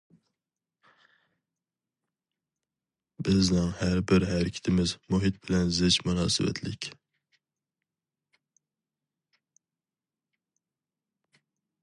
بىزنىڭ ھەر بىر ھەرىكىتىمىز مۇھىت بىلەن زىچ مۇناسىۋەتلىك.